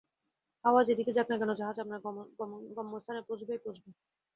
হাওয়া যে দিকে যাক না কেন, জাহাজ আপনার গম্যস্থানে পৌঁছবেই পৌঁছবে।